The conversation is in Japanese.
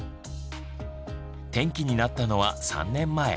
転機になったのは３年前。